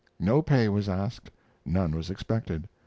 No pay was asked; none was expected.